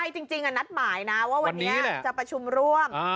จริงนัดหมายนะว่าวันนี้จะประชุมร่วม